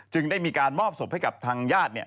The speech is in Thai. ได้มีการมอบศพให้กับทางญาติ